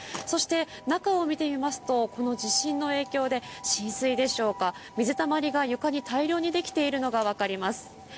そして中を見てみますと、この地震の影響で浸水でしょうか、水溜りが床に大量にできているのがわかります。